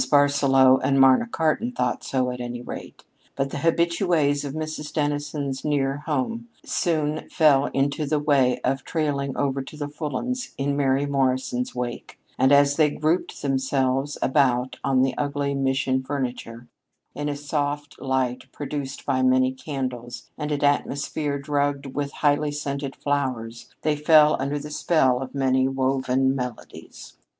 Barsaloux and Marna Cartan thought so, at any rate. But the habitués of Mrs. Dennison's near home soon fell into the way of trailing over to the Fulhams' in Mary Morrison's wake, and as they grouped themselves about on the ugly Mission furniture, in a soft light produced by many candles, and an atmosphere drugged with highly scented flowers, they fell under the spell of many woven melodies.